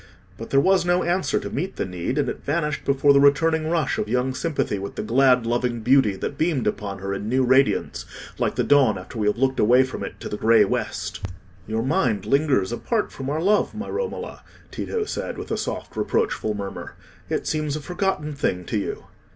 But there was no answer to meet the need, and it vanished before the returning rush of young sympathy with the glad loving beauty that beamed upon her in new radiance, like the dawn after we have looked away from it to the grey west. "Your mind lingers apart from our love, my Romola," Tito said, with a soft reproachful murmur. "It seems a forgotten thing to you."